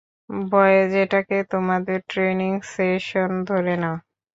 Boys, এটাকে তোমাদের training session ধরে নাও।